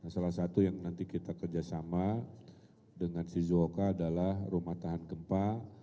salah satu yang nanti kita kerjasama dengan shizooka adalah rumah tahan gempa